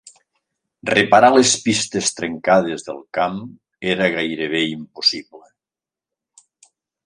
Reparar les pistes trencades del camp era gairebé impossible.